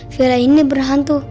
vela ini berhantu